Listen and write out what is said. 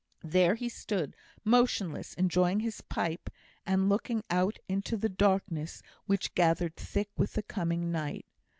There he stood, motionless, enjoying his pipe, and looking out into the darkness which gathered thick with the coming night.